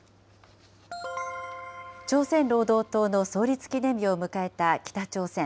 朝鮮労働党の創立記念日を迎えた北朝鮮。